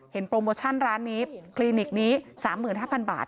โปรโมชั่นร้านนี้คลินิกนี้๓๕๐๐บาท